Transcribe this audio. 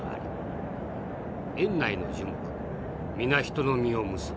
園内の樹木皆人の実を結ぶ。